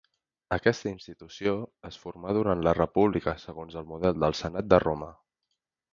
Aquesta institució es formà durant la República segons el model del senat de Roma.